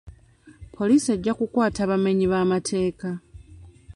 Poliisi ejja kukwata abamenyi b'amateeka.